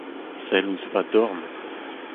Sell ouzh va dorn.